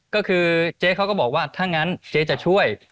ก็คือเจ๊เขาก็บอกว่าถ้างั้นเจ๊จะช่วย